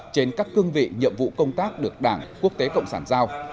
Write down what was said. trên các cương vị nhiệm vụ công tác được đảng quốc tế cộng sản giao